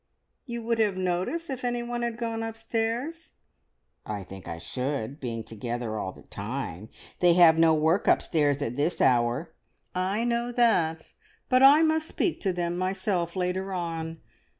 "You would have noticed if anyone had gone upstairs?" "I think I should, being together all the time. They have no work upstairs at this hour " "I know that, but I must speak to them myself later on.